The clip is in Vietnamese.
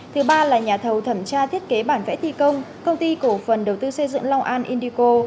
thứ ba là nhà thầu thẩm tra thiết kế bản vẽ thi công công ty cổ phần đầu tư xây dựng long an indico